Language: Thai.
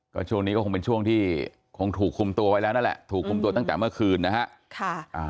ก็ช่วงนี้ก็คงเป็นช่วงที่คงถูกคุมตัวไว้แล้วนั่นแหละถูกคุมตัวตั้งแต่เมื่อคืนนะฮะ